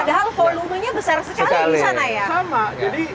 padahal volumenya besar sekali di sana ya